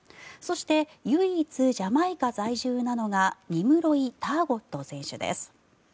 そして唯一ジャマイカ在住なのがニムロイ・ターゴット選手です。